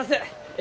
え